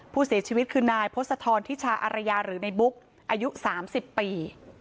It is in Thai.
ผู้เสียชีวิตคือนายพศธรทิชาอารยาหรือในบุ๊กอายุ๓๐ปี